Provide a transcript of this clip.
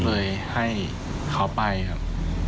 เลยให้เขาไปครับ